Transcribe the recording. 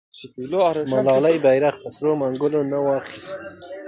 ملالۍ بیرغ په سرو منګولو نه و اخیستی.